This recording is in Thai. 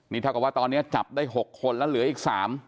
นี่เท่ากับว่าตอนนี้จับได้๖คนแล้วเหลืออีก๓